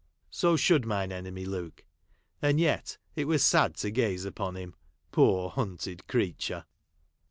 So should mine enemy look. And yet it was sad to gaze upon him, poor hunted creature